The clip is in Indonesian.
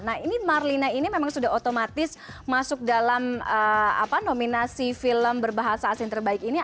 nah ini marlina ini memang sudah otomatis masuk dalam nominasi film berbahasa asing terbaik ini